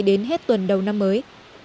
đến hết tuần đầu năm mới